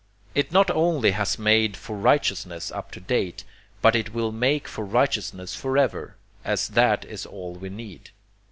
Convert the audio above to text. It not only has made for righteousness up to date, but it will make for righteousness forever; and that is all we need.